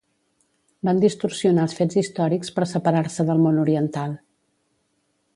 Van distorsionar els fets històrics per separar-se del món oriental.